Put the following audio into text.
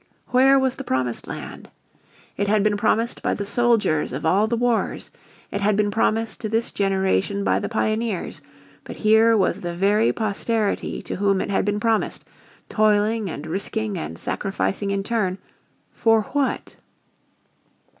Where was the promised land? It had been promised by the soldiers of all the wars; it had been promised to this generation by the pioneers; but here was the very posterity to whom it had been promised, toiling and risking and sacrificing in turn for what?